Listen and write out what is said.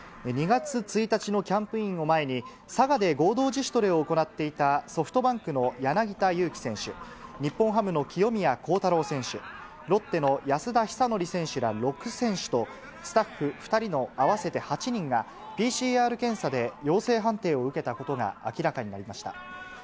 ２月１日のキャンプインを前に、佐賀で合同自主トレを行っていた、ソフトバンクの柳田悠岐選手、日本ハムの清宮幸太郎選手、ロッテの安田尚憲選手ら６選手と、スタッフ２人の合わせて８人が、ＰＣＲ検査で陽性判定を受けたことが明らかになりました。